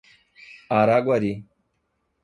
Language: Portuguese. Araguari